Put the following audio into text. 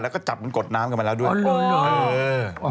แล้วก็จับมันกดน้ำกันมาแล้วด้วย